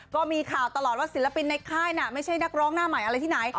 ก็มีข่าวตลอดว่าศิลปินในค่ายน่ะไม่ใช่นักร้องหน้าใหม่อะไรที่ไหน